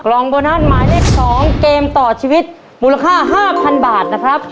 กล่องโบนัสหมายเลข๒เกมต่อชีวิตมูลค่า๕๐๐๐บาทนะครับ